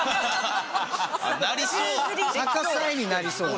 なりそう！